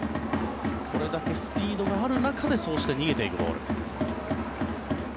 これだけスピードがある中でそうして逃げていくボール。